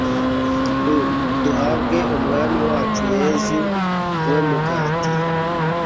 r/ duhabwe umwami wacu yezu, we mugati